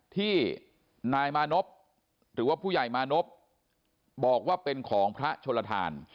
ที่นายมานพหรือว่าผู้ใหญ่มานพบอกว่าเป็นของพระชนลทาน